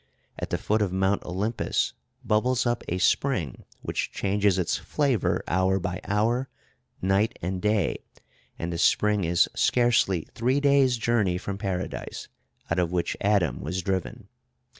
At the foot of Mount Olympus bubbles up a spring which changes its flavor hour by hour, night and day, and the spring is scarcely three days' journey from Paradise, out of which Adam was driven.